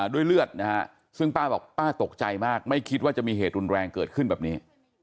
เลือดนะฮะซึ่งป้าบอกป้าตกใจมากไม่คิดว่าจะมีเหตุรุนแรงเกิดขึ้นแบบนี้